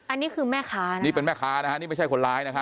อันนี้คือแม่ค้านี่เป็นแม่ค้านะฮะนี่ไม่ใช่คนร้ายนะฮะ